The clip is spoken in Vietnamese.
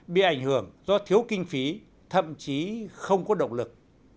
bị ảnh hưởng do thiếu kinh phí thậm chí không có động lực